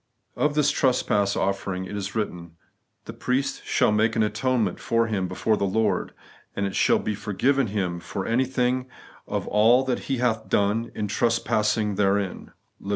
Of this trespass offering it is written, ' The priest shall make an atonement for him before the Lord, and it shall be forgiven him for anything of all that he hath done in tres passing therein* (Lev.